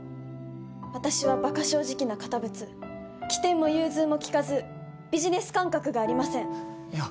私はバカ正直な堅物機転も融通もきかずビジネス感覚がありませんいや